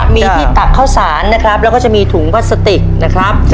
มีที่ตักข้าวสารนะครับแล้วก็จะมีถุงพลาสติกนะครับ